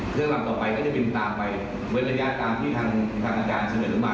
เครื่องลำต่อไปก็จะบินตามไปเว้นระยะตามที่ทางอาจารย์เสนอมา